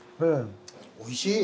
おいしい！